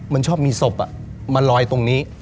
มันชอบมีศพมาลอยตรงนี้